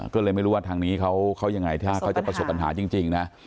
ก็เลยไม่รู้ว่าทางนี้เขายังไงถ้าเขาจะประสบปัญหาจริงนะ